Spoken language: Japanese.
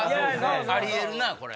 あり得るなこれ。